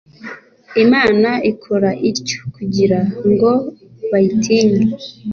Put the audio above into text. imana ikora ityo kugira ngo bayitinye